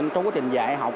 trong quá trình dạy học